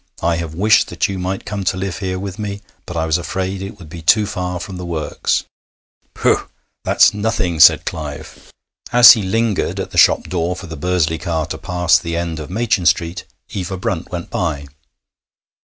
I have wished that you might come to live here with me. But I was afraid it would be too far from the works.' 'Pooh! that's nothing,' said Clive. As he lingered at the shop door for the Bursley car to pass the end of Machin Street, Eva Brunt went by.